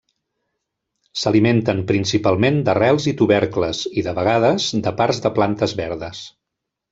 S'alimenten principalment d'arrels i tubercles i, de vegades, de parts de plantes verdes.